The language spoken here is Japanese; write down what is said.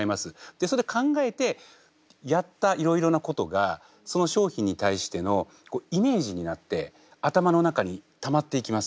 でそうやって考えてやったいろいろなことがその商品に対してのイメージになって頭の中にたまっていきます。